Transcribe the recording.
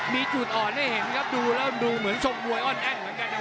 มีจุดอ่อนให้เห็นครับดูแล้วดูเหมือนชมมวยอ้อนแอ้นเหมือนกันนะครับ